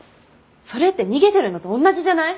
それって逃げてるのと同じじゃない？